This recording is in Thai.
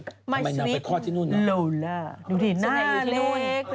ทำไมนางไปคลอดที่นู่นน่ะดูสิหน้าอยู่ที่นู่น